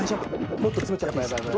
もっと詰めちゃっていいです。